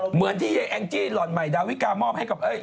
เหมือนที่แองจี้ลอนไหมดาวิกาเขามอบให้กับลอนไง